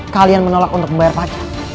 kalian menolak untuk membayar pajak